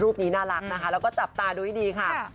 รูปนี้น่ารักแล้วก็จับตาดูดิดีค่ะ